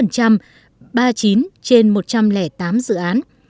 ba mươi chín trên một trăm linh tám dự án